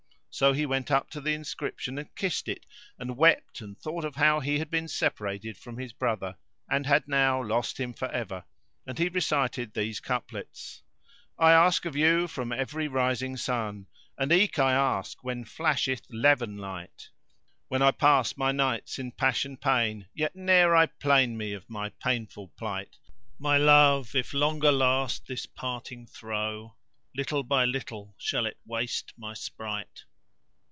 So he went up to the inscription and kissed it and wept and thought of how he had been separated from his brother and had now lost him for ever, and he recited these couplets:— "I ask of you from every rising sun, * And eke I ask when flasheth levenlight: Restless I pass my nights in passion pain, * Yet ne'er I 'plain me of my painful plight; My love! if longer last this parting throe * Little by little shall it waste my sprite.